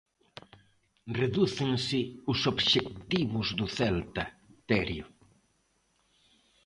Redúcense os obxectivos do Celta, Terio.